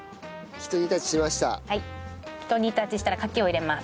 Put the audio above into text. ひと煮立ちしたらカキを入れます。